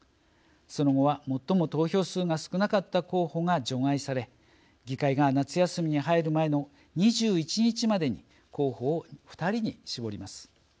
その後は最も投票数が少なかった候補が除外され議会が夏休みに入る前の２１日までに候補を２人に絞ります。